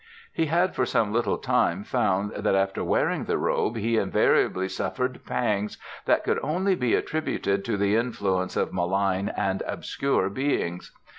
He had for some little time found that after wearing the robe he invariably suffered pangs that could only be attributed to the influence of malign and obscure Beings.